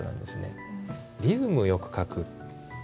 リズムよく書く。